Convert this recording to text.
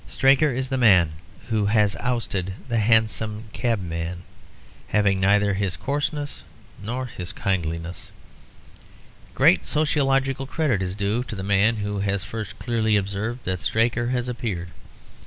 Straker is the man who has ousted the hansom cabman, having neither his coarseness nor his kindliness. Great sociological credit is due to the man who has first clearly observed that Straker has appeared.